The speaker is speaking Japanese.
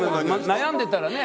悩んでたらね。